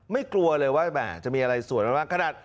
ไม่กลัวเลยว่าจะมีอะไรส่วนมาบ้าง